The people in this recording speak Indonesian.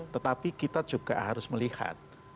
tetapi kita juga harus melihat